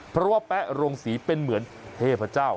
เพราะว่าแป๊ะโรงศรีเป็นเหมือนเทพเจ้า